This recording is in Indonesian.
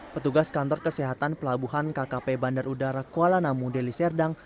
petugas kantor kesehatan pelabuhan kkp bandar udara kuala namu deli serdang